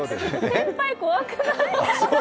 先輩、怖くない？